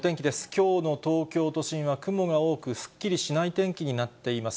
きょうの東京都心は雲が多く、すっきりしない天気になっています。